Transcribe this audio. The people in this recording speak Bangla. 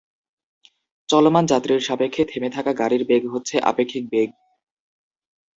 চলমান যাত্রীর সাপেক্ষে থেমে থাকা গাড়ির বেগ হচ্ছে আপেক্ষিক বেগ।